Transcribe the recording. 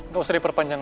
gak usah diperpanjang